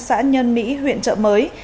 xã nhân mỹ huyện trợ mới